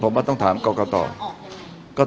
ผมว่าต้องถามก็ต้องถามคอต่อ